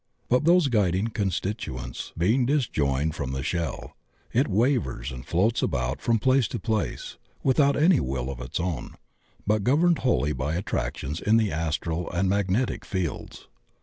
But those guiding constituents be ing disjoined from the shell, it wavers and floats about from place to place without any will of its own, but governed wholly by attractions in the astral and mag netic fields.